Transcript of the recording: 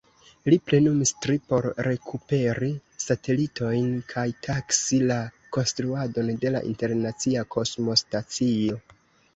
Li plenumis tri por rekuperi satelitojn kaj taksi la konstruadon de la Internacia Kosmostacio.